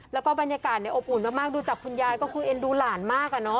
และก็บรรยากาศอบอุ่นมากดูจากคุณยายคือเอนดูหลานมาก